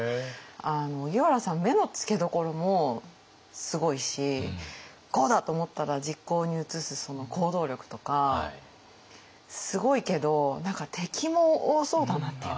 荻原さん目の付けどころもすごいし「こうだ！」と思ったら実行に移すその行動力とかすごいけど何か敵も多そうだなっていうか。